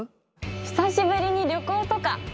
久しぶりに旅行とか！